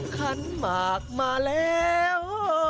ขันหมากมาแล้ว